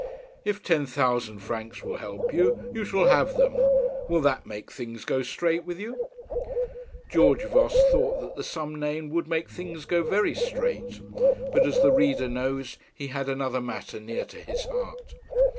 If ten thousand francs will help you, you shall have them. Will that make things go straight with you?' George Voss thought the sum named would make things go very straight; but as the reader knows, he had another matter near to his heart.